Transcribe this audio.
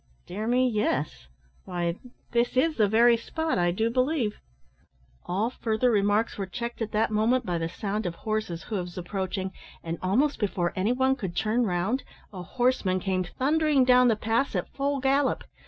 dear me, yes; why, this is the very spot, I do believe " All further remarks were checked at that moment by the sound of horses' hoofs approaching, and, almost before any one could turn round, a horseman came thundering down the pass at full gallop.